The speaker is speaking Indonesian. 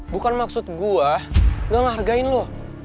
bukan maksud gua gak ngargain lo